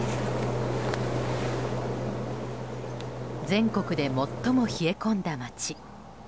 全国で最も冷え込んだ町。